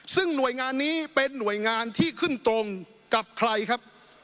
ซึ่งหน่วยงานนี้เป็นหน่วยงานที่ขึ้นตรงกับใครครับ